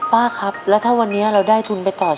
ป้าครับแล้วถ้าวันนี้เราได้ทุนไปต่อ๐